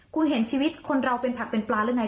คุณเห็นชีวิตคนเราเป็นผักเป็นปลาหรือไง